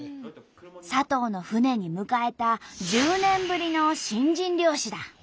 佐藤の船に迎えた１０年ぶりの新人漁師だ。